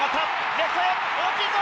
レフトへ大きいぞ！